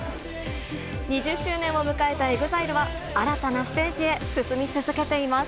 ２０周年を迎えたＥＸＩＬＥは、新たなステージへ進み続けています。